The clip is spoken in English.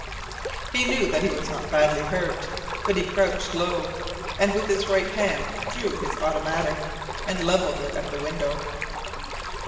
He knew that he was not badly hurt, but he crouched low, and with his right hand drew his automatic and levelled it at the window.